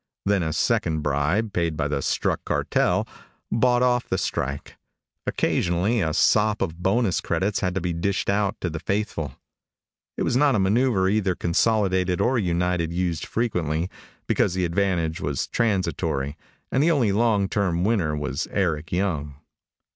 Then a second bribe, paid by the struck cartel, bought off the strike. Occasionally a sop of bonus credits had to be dished out to the faithful. It was not a maneuver either Consolidated or United used frequently, because the advantage was transitory, and the only long term winner was Eric Young.